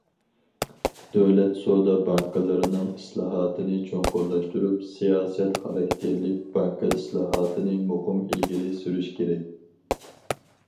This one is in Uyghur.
دۆلەت سودا بانكىلىرىنىڭ ئىسلاھاتىنى چوڭقۇرلاشتۇرۇپ، سىياسەت خاراكتېرلىك بانكا ئىسلاھاتىنى مۇقىم ئىلگىرى سۈرۈش كېرەك.